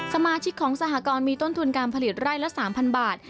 สมาชิกของสหกรณ์มีต้นทุนการผลิตไร่ละ๓๐๐บาท